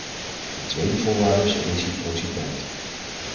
De tweede voorwaarde is reciprociteit.